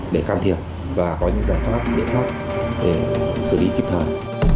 để can thiệp và có những giải pháp để sử dụng kịp thời